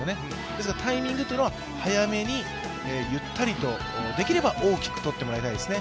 ですからタイミングというのは早目に、ゆったりと、できれば大きくとってもらいたいですね。